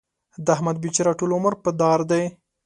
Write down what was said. د احمد بېچاره ټول عمر په دار دی.